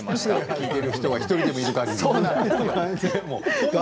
聞いている方が１人でもいるかぎり。